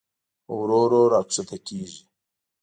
ورو ورو راښکته کېږي.